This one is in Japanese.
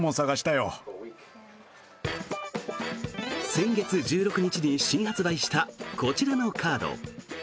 先月１６日に新発売したこちらのカード。